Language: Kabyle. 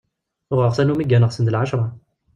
Uɣeɣ tanumi gganeɣ send lɛecṛa.